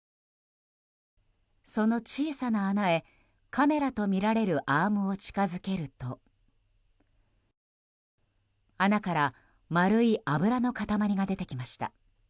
その小さな穴へカメラとみられるアームを近づけると穴から丸い油の塊が出てきました。